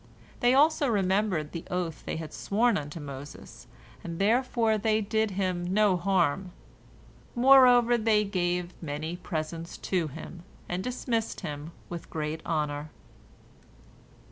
They also remembered the oath they had sworn unto Moses, and therefore they did him no harm. Moreover, they gave many presents to him, and dismissed him with great honor.